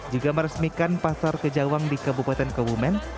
juga meresmikan pasar kejawang di kabupaten kebumen